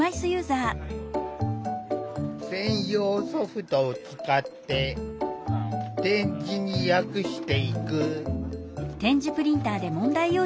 専用ソフトを使って点字に訳していく。